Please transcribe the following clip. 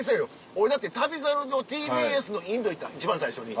俺だって『旅猿』のＴＢＳのインド行った一番最初に。